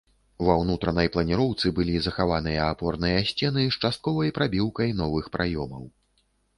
Ва унутранай планіроўцы былі захаваныя апорныя сцены з частковай прабіўкай новых праёмаў.